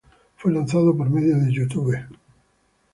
Fue lanzado por medio de YouTube.